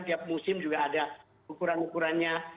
tiap musim juga ada ukuran ukurannya